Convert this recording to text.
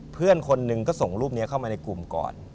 เพื่อนคนหนึ่งก็ส่งรูปนี้เข้ามาในกลุ่มก่อน